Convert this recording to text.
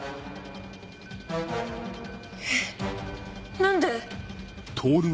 えっ何で？